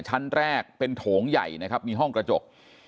ชั้นแรกเป็นโถงใหญ่นะครับมีห้องกระจก